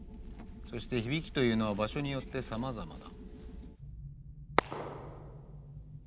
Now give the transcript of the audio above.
そして響きというのは場所によってさまざまだ。